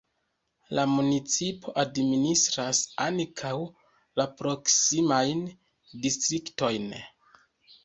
La municipo administras ankaŭ la proksimajn distriktojn.